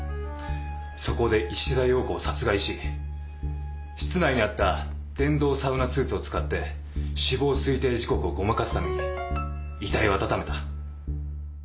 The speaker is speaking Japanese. そこで石田洋子を殺害し室内にあった電動サウナスーツを使って死亡推定時刻をごまかすために遺体を温めた。